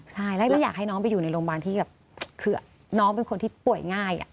ใช่แล้วอยากให้น้องไปอยู่ในโรงพยาบาลที่แบบคือน้องเป็นคนที่ป่วยง่าย